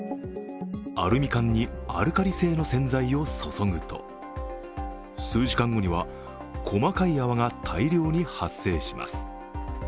アルミ缶にアルカリ性の洗剤を注ぐと数時間後には細かい泡が大量に発生します。